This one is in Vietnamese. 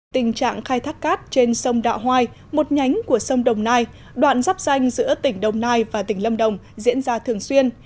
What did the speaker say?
tình trạng khai thác cát trên sông đạo hoài một nhánh của sông đồng nai đoạn dắp danh giữa tỉnh đồng nai và tỉnh lâm đồng diễn ra thường xuyên